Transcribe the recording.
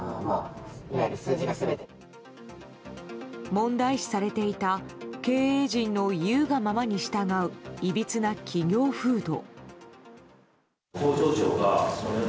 問題視されていた経営陣の言うがままに従ういびつな企業風土。